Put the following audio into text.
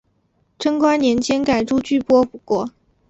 贞观年间改朱俱波国。